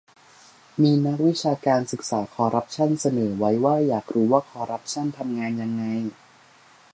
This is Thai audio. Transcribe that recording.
มีนักวิชาการศึกษาคอร์รัปชั่นเสนอไว้ว่าอยากรู้ว่าคอร์รัปชั่นทำงานยังไง